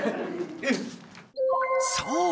そう！